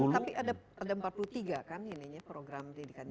tapi ada empat puluh tiga kan program didikannya sekarang